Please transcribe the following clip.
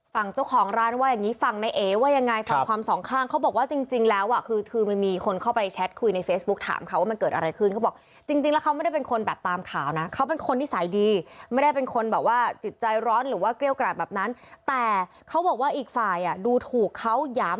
ฝั่งเจ้าของร้านว่าอย่างนี้ฝั่งในเอว่ายังไงฟังความสองข้างเขาบอกว่าจริงแล้วอ่ะคือคือมันมีคนเข้าไปแชทคุยในเฟซบุ๊กถามเขาว่ามันเกิดอะไรขึ้นเขาบอกจริงแล้วเขาไม่ได้เป็นคนแบบตามข่าวนะเขาเป็นคนนิสัยดีไม่ได้เป็นคนแบบว่าจิตใจร้อนหรือว่าเกรี้ยวกราดแบบนั้นแต่เขาบอกว่าอีกฝ่ายอ่ะดูถูกเขาหยาม